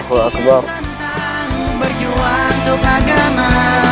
aku laki yang santang berjuang untuk agama